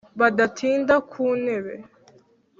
Badatinda ku ntebe.